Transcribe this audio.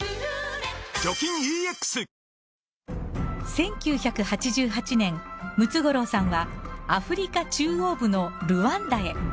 １９８８年、ムツゴロウさんはアフリカ中央部のルワンダへ。